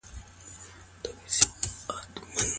هر مسلمان باید د ايمان له مخې عمل وکړي.